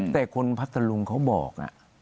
แต่คนพัทธลุงเขาบอก